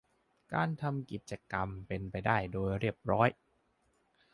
การทำกิจกรรมเป็นไปโดยเรียบร้อย